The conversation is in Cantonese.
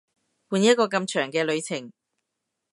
換一個咁長嘅旅程